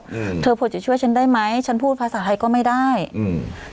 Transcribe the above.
อืมเธอพอจะช่วยฉันได้ไหมฉันพูดภาษาไทยก็ไม่ได้อืม